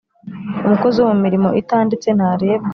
Umukozi wo mu mirimo itanditse ntarebwa